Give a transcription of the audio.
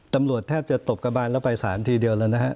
ตำรวจแทบจะตบกระบานแล้วไปสารทีเดียวแล้วนะฮะ